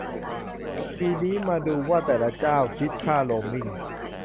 ทีนี้มาดูว่าแต่ละเจ้าคิดค่าโรมมิ่ง